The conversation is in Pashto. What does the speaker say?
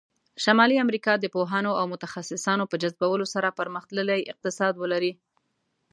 شمالي امریکا د پوهانو او متخصصانو په جذبولو سره پرمختللی اقتصاد ولری.